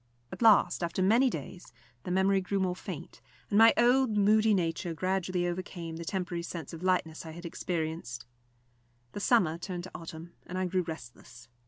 At last, after many days, the memory grew more faint, and my old moody nature gradually overcame the temporary sense of lightness I had experienced. The summer turned to autumn, and I grew restless.